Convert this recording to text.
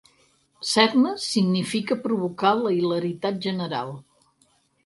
Ser-ne significa provocar la hilaritat general.